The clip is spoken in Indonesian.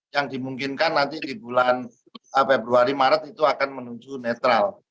yang dimungkinkan nanti di bulan februari maret itu akan menuju netral